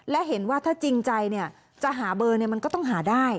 และเห็นว่าถ้าจริงใจจะหาเบอร์มันก็ต้องหาได้